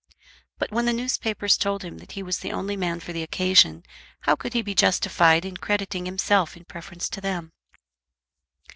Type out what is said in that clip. But when the newspapers told him that he was the only man for the occasion, how could he be justified in crediting himself in preference to them?